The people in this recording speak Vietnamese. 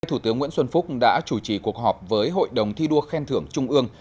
thủ tướng nguyễn xuân phúc đã chủ trì cuộc họp với hội đồng thi đua khen thưởng trung ương